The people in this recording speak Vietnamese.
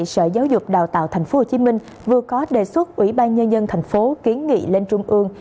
sở giáo dục đào tạo tp hcm vừa có đề xuất ủy ban nhân dân tp hcm kiến nghị lên trung ương